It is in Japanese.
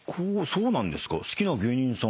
そうなんです。